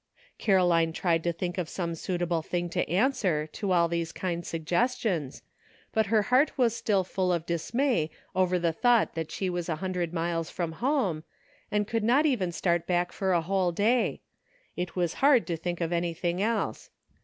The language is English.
Caroline tried to think of some suitable thing 78 A pEW FRIEND. to answer to all these kind suggestions, but her heart was still full of dismay over the thought that she. was a hundred miles from home, and could not even start back for a whole day ; it was hard to think of anything else.